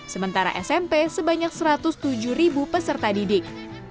sementara smp sebanyak satu ratus tujuh ribu peserta didik